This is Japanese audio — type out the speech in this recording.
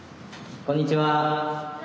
こんにちは！